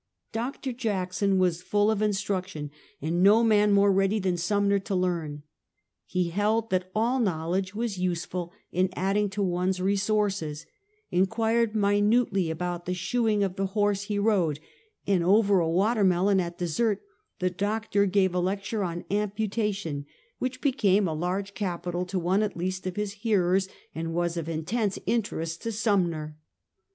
Dr. Jackson was full of instruc tion, and no man more ready than Sumner to learn. He held that all knowledge was useful in adding to one's resources — inquired minutely about the shoe ing of the horse he rode; and over a watermelon at dessert the doctor gave a lecture on amputation, which became a large capital to one at least of his hearers, and was of intense interest to Sumner.